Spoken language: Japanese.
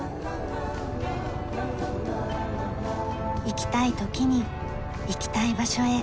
行きたい時に行きたい場所へ。